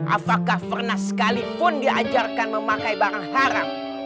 apakah pernah sekali pun diajarkan memakai barang haram